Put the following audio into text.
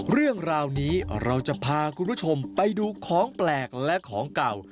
เรื่องราวนี้เราจะพาคุณผู้ชมไปดูของแปลกและของเก่า